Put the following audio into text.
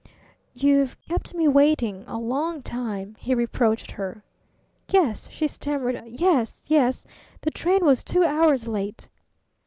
"You've kept me waiting a long time," he reproached her. "Yes!" she stammered. "Yes! Yes! The train was two hours late!"